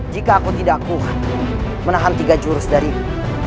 jika aku tidak kuat menahan tiga jurus dari ini